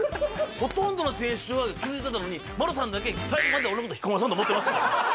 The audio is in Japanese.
ほとんどの選手は気付いてたのに、丸さんだけ最後まで俺のこと彦摩呂さんだと思ってましたからね。